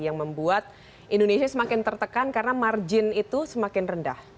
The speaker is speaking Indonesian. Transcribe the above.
yang membuat indonesia semakin tertekan karena margin itu semakin rendah